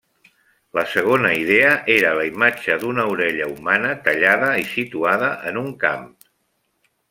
La segona idea era la imatge d'una orella humana tallada i situada en un camp.